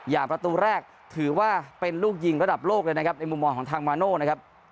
ประตูแรกถือว่าเป็นลูกยิงระดับโลกเลยนะครับในมุมมองของทางมาโน่นะครับ